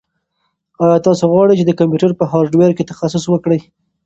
ایا تاسو غواړئ چې د کمپیوټر په هارډویر کې تخصص وکړئ؟